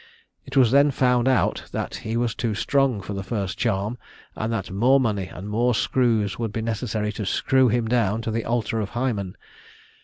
It was then found out that he was too strong for the first charm, and that more money and more screws would be necessary to screw him down to the altar of Hymen.